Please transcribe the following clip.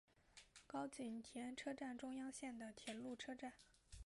高井田车站中央线的铁路车站。